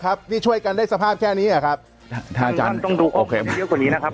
ครับท่านข้างด้วยช่วยกันได้สภาพแค่นี้นะครับถ้าจังต้องดูเอาเห็นเยอะกว่านี้นะครับ